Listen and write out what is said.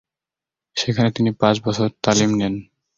সেখানে তিনি পাঁচ বছর তালিম নেন।